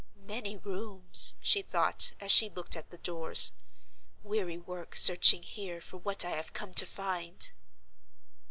"Many rooms!" she thought, as she looked at the doors. "Weary work searching here for what I have come to find!"